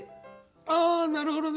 あなるほどね！